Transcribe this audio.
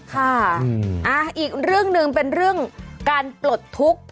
ค่ะอีกเรื่องหนึ่งเป็นเรื่องการปลดทุกข์